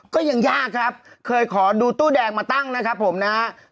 ก็ยังยากครับเคยขอดูตู้แดงมาตั้งนะครับผมนะครับ